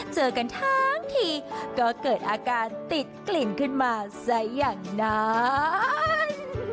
เจอกันทั้งทีก็เกิดอาการติดกลิ่นขึ้นมาซะอย่างนั้น